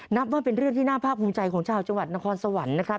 นับว่าเป็นเรื่องที่น่าภาคภูมิใจของชาวจังหวัดนครสวรรค์นะครับ